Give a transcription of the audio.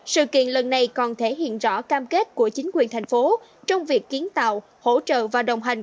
sự kiện lần này còn thể hiện rõ cam kết của chính quyền thành phố trong việc kiến tạo hỗ trợ và đồng hành